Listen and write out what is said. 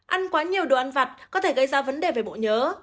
ăn quá nhiều đồ ăn vặt có thể gây ra vấn đề về bộ nhớ